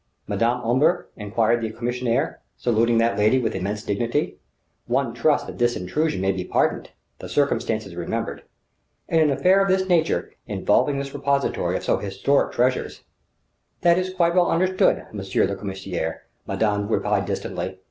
"Madame Omber?" enquired the commissaire, saluting that lady with immense dignity. "One trusts that this intrusion may be pardoned, the circumstances remembered. In an affair of this nature, involving this repository of so historic treasures " "That is quite well understood, monsieur le commissaire," madame replied distantly.